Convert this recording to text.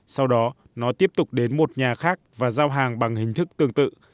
sau đó nó tiếp tục đến một nhà khác và giao hàng bằng hình thức tương tự